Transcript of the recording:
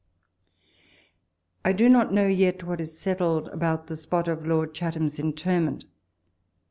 I do not know yet what is settled about the spot of Lord Chatham's interment.